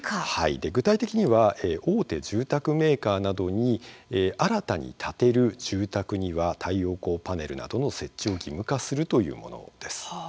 具体的には大手住宅メーカーなどに新たに建てる住宅には太陽光パネルなどの設置を義務化するというものです。